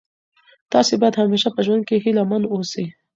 تاسي باید همېشه په ژوند کي هیله من اوسئ.